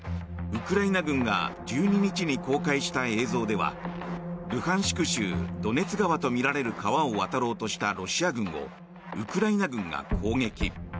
ウクライナ軍が１２日に公開した映像ではルハンシク州ドネツ川とみられる川を渡ろうとしたロシア軍をウクライナ軍が攻撃。